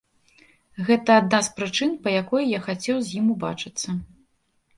Гэта адна з прычын, па якой я хацеў з ім убачыцца.